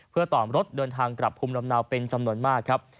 เพื่อต่อมรถเดินทางกลับภูมิลำเนาเป็นจำนวนมากครับ